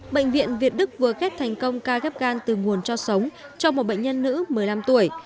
bệnh viện việt đức vừa ghép thành công ca ghép gan từ nguồn cho sống cho một bệnh nhân nữ một mươi năm tuổi